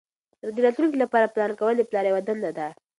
د راتلونکي لپاره پلان کول د پلار یوه دنده ده.